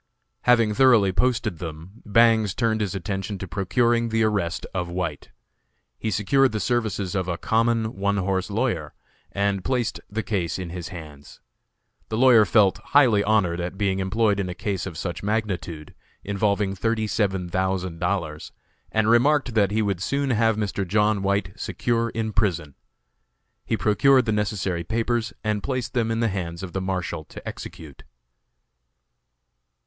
Having thoroughly posted them, Bangs turned his attention to procuring the arrest of White. He secured the services of a common, one horse lawyer, and placed the case in his hands. The lawyer felt highly honored at being employed in a case of such magnitude, involving thirty seven thousand dollars, and remarked that he would soon have Mr. John White secure in prison. He procured the necessary papers and placed them in the hands of the Marshal to execute.